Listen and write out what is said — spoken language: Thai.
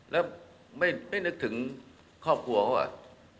แล้วไม่นึกถึงครอบครัวเขาอ่ะ